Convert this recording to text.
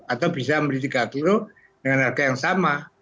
atau bisa membeli tiga kilo dengan harga yang sama